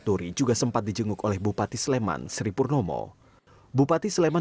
kita sesuai dengan misal kami yang ada di kabupaten sleman